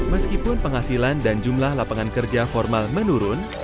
meskipun penghasilan dan jumlah lapangan kerja formal menurun